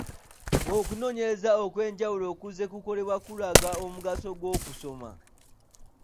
Okunoonyereza okw’enjawulo okuzzenga kukolebwa kulaga omugaso gw’okusoma.